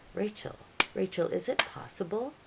'Rachel, Rachel, is it possible?'